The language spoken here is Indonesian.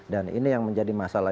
dan ini yang menjadi masalah